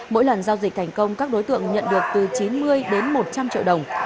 mỗi lần giao dịch thành công các đối tượng nhận được từ chín mươi đến một trăm linh triệu đồng